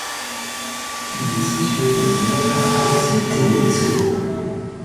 Il est situé dans les nerfs à proximité des vaisseaux.